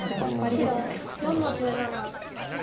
白４の十七。